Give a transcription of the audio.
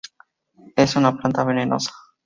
Es una planta venenosa.